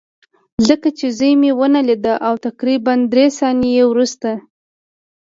ځکه چې زوی مې ونه لید او تقریبا درې ثانیې وروسته